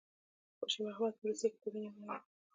خوشي محمد په روسیې کې تبه نیولی وو.